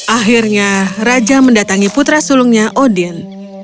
akhirnya raja mendatangi putra sulungnya odien